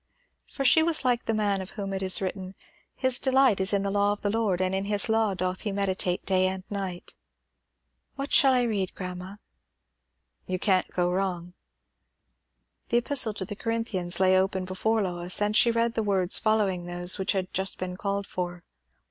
For she was like the man of whom it is written "His delight is in the law of the Lord, and in his law doth he meditate day and night." "What shall I read, grandma?" "You can't go wrong." The epistle to the Corinthians lay open before Lois, and she read the words following those which had just been called for.